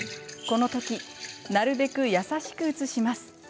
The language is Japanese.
この時なるべくやさしく移します。